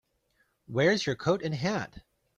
Where's your coat and hat?